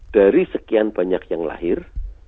dari sekian banyak yang lahir